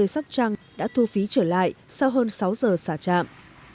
sóc trăng đã thu phí trở lại sau hơn sáu giờ xả trạm